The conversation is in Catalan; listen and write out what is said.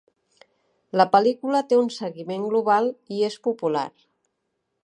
La pel·lícula té un seguiment global i és popular.